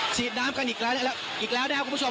ฉีดน้ำกันอีกแล้วอีกแล้วนะครับคุณผู้ชม